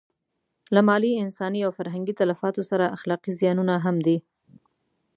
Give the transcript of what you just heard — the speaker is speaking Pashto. له مالي، انساني او فرهنګي تلفاتو سره اخلاقي زیانونه هم دي.